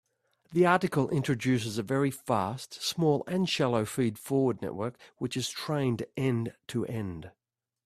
The article introduces a very fast, small, and shallow feed-forward network which is trained end-to-end.